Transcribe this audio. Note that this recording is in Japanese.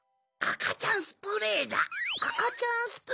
あかちゃんスプレー？